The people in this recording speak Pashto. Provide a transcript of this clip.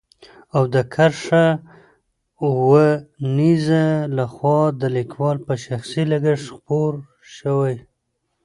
او د کرښه اوو نيزه له خوا د ليکوال په شخصي لګښت خپور شوی.